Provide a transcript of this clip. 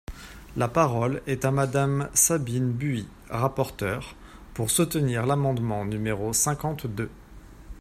La parole est à Madame Sabine Buis, rapporteure, pour soutenir l’amendement numéro cinquante-deux.